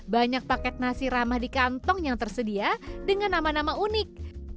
banyak paket nasi ramah di kantong yang tersedia dengan nama nama unik